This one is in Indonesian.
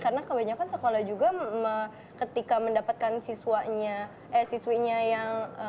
karena kebanyakan sekolah juga ketika mendapatkan siswanya eh siswinya yang